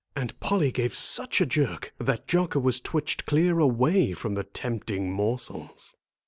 And Polly gave such a jerk that Jocko was twitched clear away from the tempting morsels.